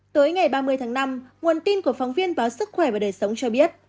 tới ngày ba mươi tháng năm nguồn tin của phóng viên báo sức khỏe và đời sống cho biết